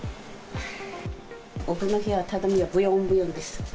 奥の部屋、畳がぶよんぶよんです。